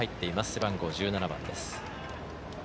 背番号１７番です。